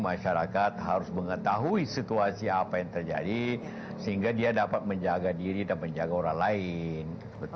masyarakat harus mengetahui situasi apa yang terjadi sehingga dia dapat menjaga diri dan menjaga orang lain